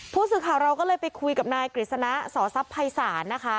ผู้สื่อข่าวเราก็เลยไปคุยกับนายกฤษณะสอทรัพย์ภัยศาลนะคะ